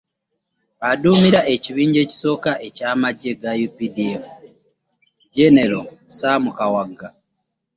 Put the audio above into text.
Aduumira ekibinja ekisooka eky'amagye ga UPDF, jjenero Sam Kawagga